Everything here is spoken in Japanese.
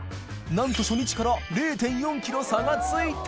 覆鵑初日から０．４ｋｇ差が付いた！